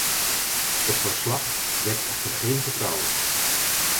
Het verslag wekt echter geen vertrouwen.